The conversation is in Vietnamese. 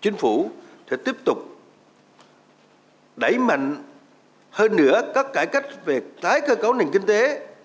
chính phủ sẽ tiếp tục đẩy mạnh hơn nữa các cải cách về tái cơ cấu nền kinh tế